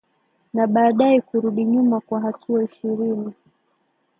na baadaye kurudi nyuma kwa hatua ishirini